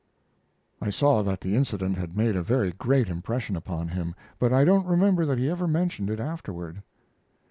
I saw that the incident had made a very great impression upon him; but I don't remember that he ever mentioned it afterward.